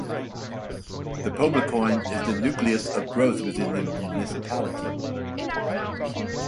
The Poblacion is the nucleus of growth within the municipality.